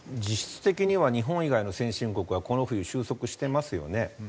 実質的には日本以外の先進国はこの冬収束してますよね。